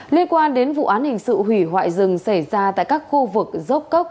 liên quan đến vụ án hình sự hủy hoại rừng xảy ra tại các khu vực dốc cốc